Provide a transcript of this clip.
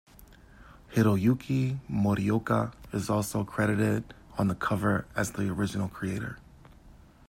Hiroyuki Morioka is also credited on the cover as the original creator.